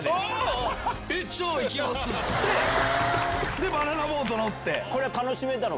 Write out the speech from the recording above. でバナナボート乗って。